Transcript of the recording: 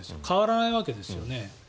変わらないわけですよね。